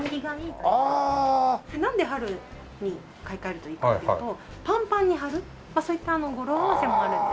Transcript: なんで春に買い替えるといいかっていうとパンパンに「はる」そういった語呂合わせもあるんです。